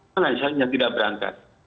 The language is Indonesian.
mana yang tidak berangkat